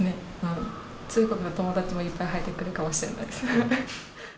中国の友達もいっぱい入ってくるかもしれないですね。